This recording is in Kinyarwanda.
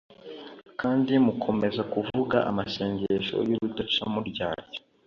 kandi mugakomeza kuvuga amasengesho y'urudaca muryarya :